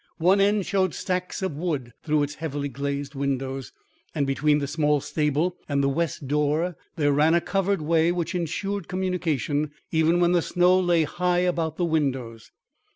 One end showed stacks of wood through its heavily glazed windows, and between the small stable and the west door there ran a covered way which insured communication, even when the snow lay high about the windows.